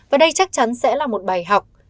và đây chắc chắn sẽ là một bài học